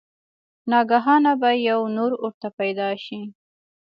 ناګهانه به يو نُور ورته پېدا شي